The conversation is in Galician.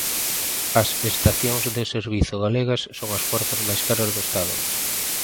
As estacións de servizo galegas son as cuartas máis caras do Estado.